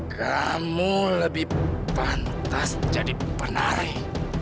kamu lebih pantas jadi penari